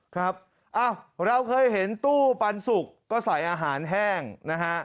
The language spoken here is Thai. ครับเราเคยเห็นตู้ปันสุกก็ใส่อาหารแห้งนะฮะ